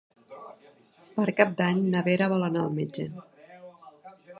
Per Cap d'Any na Vera vol anar al metge.